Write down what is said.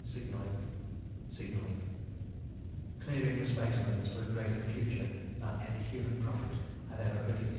Signaling ... signaling ... clearing the spacelanes for a greater future than any human prophet had ever predicted.